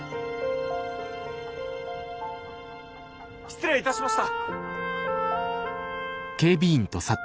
失礼いたしました。